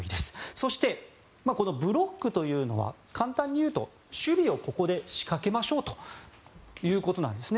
そして、このブロックというのは簡単に言うと守備をここで仕掛けましょうということなんですね。